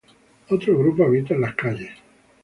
Otro grupo habita en las calles.